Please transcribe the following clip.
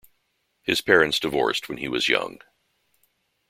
His parents divorced when he was young.